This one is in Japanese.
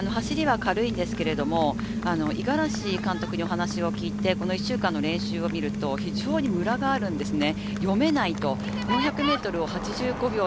走りは軽いんですけれども、五十嵐監督にお話を聞いて、１週間の練習を見ると非常にムラがあるんですね。